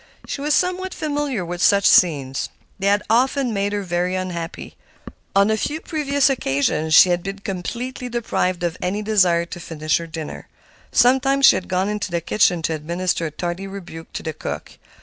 She was somewhat familiar with such scenes. They had often made her very unhappy. On a few previous occasions she had been completely deprived of any desire to finish her dinner. Sometimes she had gone into the kitchen to administer a tardy rebuke to the cook.